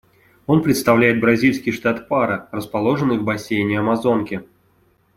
Он представляет бразильский штат Пара, расположенный в бассейне Амазонки.